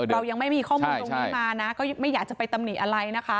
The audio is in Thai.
เรายังไม่มีข้อมูลตรงนี้มานะก็ไม่อยากจะไปตำหนิอะไรนะคะ